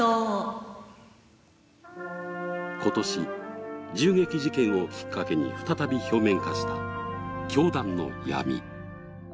今年、銃撃事件をきっかけに再び表面化した教団の闇。